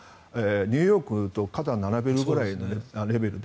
ニューヨークと肩を並べるぐらいのレベルで。